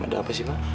ada apa sih pak